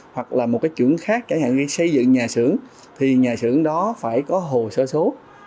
hoặc là một cái chuẩn khác chẳng hạn xây dựng nhà xưởng thì nhà xưởng đó phải có hồ sơ số